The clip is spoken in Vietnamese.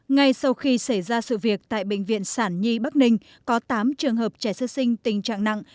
ngay sau khi xảy ra sự việc tại bệnh viện sản nhi bắc ninh có tám trường hợp trẻ sơ sinh tình trạng nặng